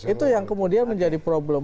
itu yang kemudian menjadi problem